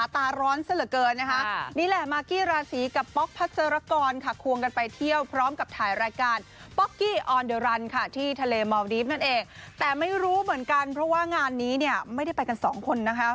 แต่ไม่รู้เหมือนกันเพราะว่างานนี้เนี่ยไม่ได้ไปกันสองคนนะคะ